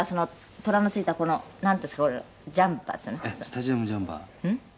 スタジアムジャンパー。